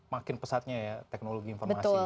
makin pesatnya ya teknologi informasi